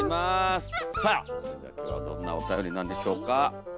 さあそれでは今日はどんなおたよりなんでしょうか？